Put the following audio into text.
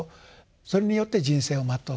それによって人生を全うする。